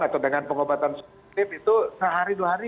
atau dengan pengobatan subjektif itu sehari dua hari